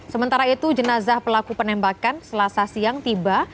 sementara itu jenazah pelaku penembakan selasa siang tiba